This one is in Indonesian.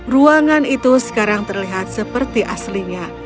ruangan itu sekarang terlihat seperti aslinya